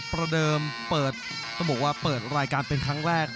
ประเดิมเปิดต้องบอกว่าเปิดรายการเป็นครั้งแรก